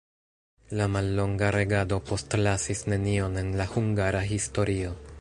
La mallonga regado postlasis nenion en la hungara historio.